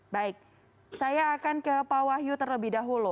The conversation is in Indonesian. baik saya akan ke pak wahyu terlebih dahulu